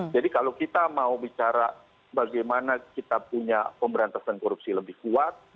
jadi kalau kita mau bicara bagaimana kita punya pemberantasan korupsi lebih kuat